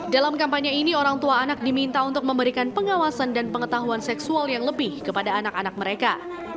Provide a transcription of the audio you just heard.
dalam kampanye ini orang tua anak diminta untuk memberikan pengawasan dan pengetahuan seksual yang lebih kepada anak anak mereka